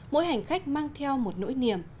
mỗi hành khách mang theo một nỗi niềm